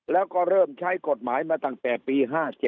แล้วก็เริ่มใช้กฎหมายมาตั้งแต่ปี๕๗